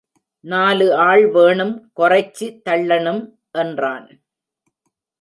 நாலு ஆள் வேணும் கொறைச்சி தள்ளனும், என்றான்.